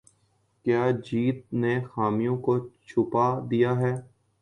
کیا جیت نے خامیوں کو چھپا دیا ہے